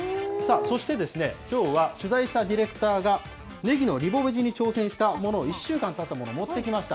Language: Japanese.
そして、きょうは取材したディレクターがねぎのリボベジに挑戦したものを、１週間たったものを持ってきました。